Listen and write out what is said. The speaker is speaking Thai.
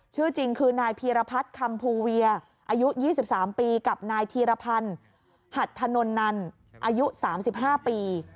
ชื่อจริงคือนายพีรพัฒน์คำภูเวียอายุ๒๓ปีกับนายธีรพันธ์หัดถนนนันอายุ๓๕ปี